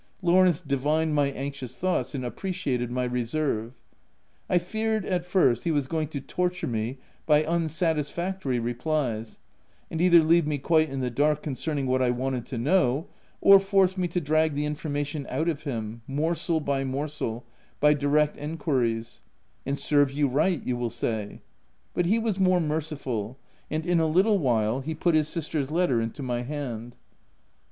Lawrence divined my an xious thoughts, and appreciated my reserve. I feared at first, he was going to torture me by unsatisfactory replies, and either leave me quite in the dark concerning what I wanted to know, or force me to drag the information out of him, morsel by morsel, by direct inquiries —" and serve you right," you will say; but he was more merciful ; and in a little while, he put his sister's letter into my hand.